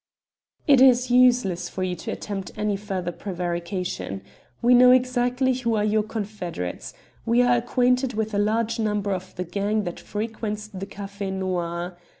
"It is useless for you to attempt any further prevarication. We know exactly who are your confederates. We are acquainted with a large number of the gang that frequents the Café Noir.